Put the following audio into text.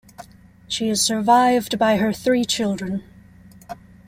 She is survived by her three children.